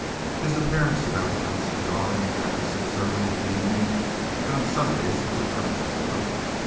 His appearance about the house and yard after six thirty in the evening and on Sundays was attractive enough.